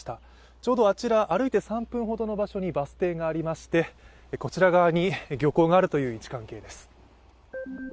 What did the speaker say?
ちょうどあちら、歩いて３分ほどの場所にバス停がありましてこちら側に漁港があるという位置関係です。